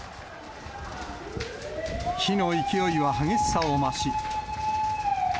火の勢いは激しさを増し。